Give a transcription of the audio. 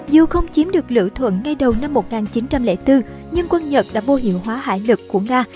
dù không chiếm được lữ thuận ngay đầu năm một nghìn chín trăm linh bốn nhưng quân nhật đã vô hiệu hóa hải lực của nga